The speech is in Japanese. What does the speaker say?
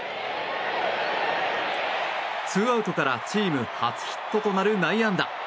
ツーアウトからチーム初ヒットとなる内野安打。